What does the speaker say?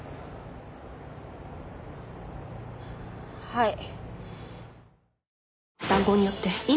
はい。